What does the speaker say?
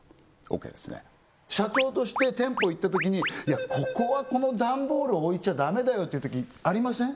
オッケーですね社長として店舗行ったときにいやここはこの段ボール置いちゃダメだよっていうときありません？